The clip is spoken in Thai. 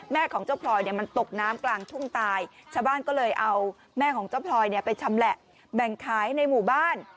ของเจ้าพลอยเนี่ยมันตกน้ำกลางทุ่งตายชาวบ้านก็เลยเอาแม่ของเจ้าพลอยเนี่ยไปชำแหละแบ่งขายในหมู่บ้าน